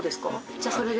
じゃあそれで。